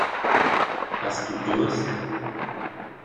Hast du Durst?